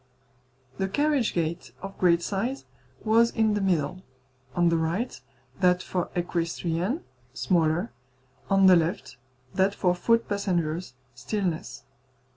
The carriage gate, of great size, was in the middle; on the right, that for equestrians, smaller; on the left, that for foot passengers, still less.